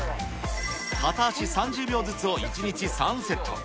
片足３０秒ずつを１日３セット。